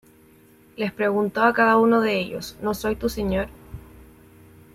Les preguntó a cada uno de ellos: "¿No soy tu señor?